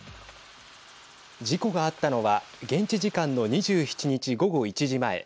事故があったのは現地時間の２７日、午後１時前。